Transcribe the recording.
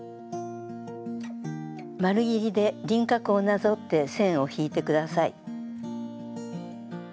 丸ぎりで輪郭をなぞって線を引いて下さい。